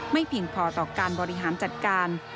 เพียงพอต่อการบริหารจัดการ